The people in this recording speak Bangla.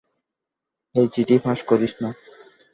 এ চিঠি ফাঁস করিস না।